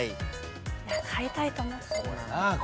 買いたいと思って。